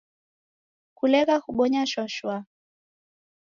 Kulegha kubonya shwa -shwa